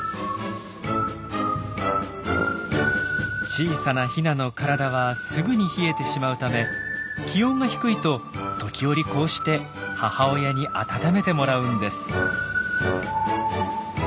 小さなヒナの体はすぐに冷えてしまうため気温が低いと時折こうして母親に温めてもらうんです。